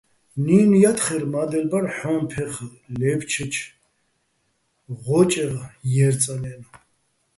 ნინო̆ ჲათხერ: მა́დელ ბარ ჰ̦ო́ჼ ფეხ ლე́ფჩეჩო̆ ღო́ჭეღ ჲე́რწანაჲნო̆.